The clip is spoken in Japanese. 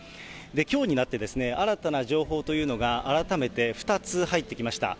きょうになって、新たな情報というのが、改めて２つ入ってきました。